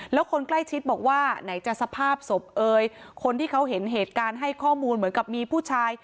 แล้วคนใกล้ชิดบอกว่าไหนจะสภาพศพเอ่ยคนที่เขาเห็นเหตุการณ์ให้ข้อมูลเหมือนกับมีผู้ชาย